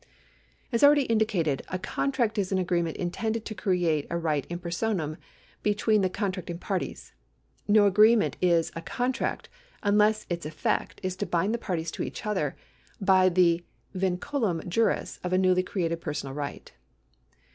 As already indicated, a contract is an agreement intended to create a right in personam between the contracting parties. No agreement is a contract unless its effect is to bind the parties to each other by the vinculum juris of a newly created personal right.